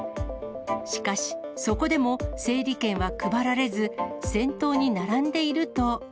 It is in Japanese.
しかし、そこでも整理券は配られず、先頭に並んでいると。